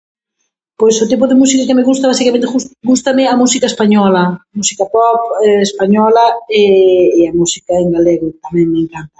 Pois o tipo de música que me gusta basicamente ghust- gústame a música española, música pop e española e a música en galego tamén me encanta.